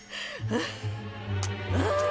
ああ。